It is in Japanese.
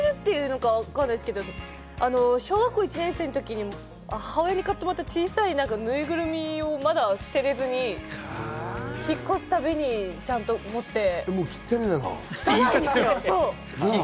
捨てれないものとして使っているというのかわからないですけど、小学校１年生の時に母親に買ってもらった小さいぬいぐるみをまだ捨てれずに引っ越すたびにちゃんと持って。